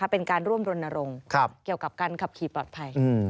เป็นการร่วมรณรงค์เกี่ยวกับการขับขี่ปลอดภัย